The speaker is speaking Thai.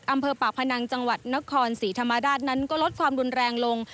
อำเภอปากพนังจังหวัดนครศรีธรรมราชนั้นก็ลดความรุนแรงลง